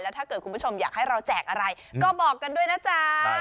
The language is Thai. ถ้าเกิดคุณผู้ชมอยากให้เราแจกอะไรก็บอกกันด้วยนะจ๊ะ